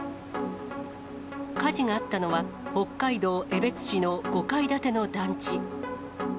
火事があったのは、北海道江別市の５階建ての団地。